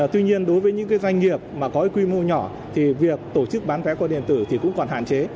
tuy nhiên đối với những doanh nghiệp mà có quy mô nhỏ thì việc tổ chức bán vé qua điện tử thì cũng còn hạn chế